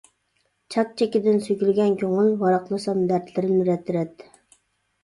چاك-چېكىدىن سۆكۈلگەن كۆڭۈل، ۋاراقلىسام دەردلىرىم رەت-رەت.